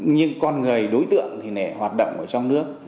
nhưng con người đối tượng thì lại hoạt động ở trong nước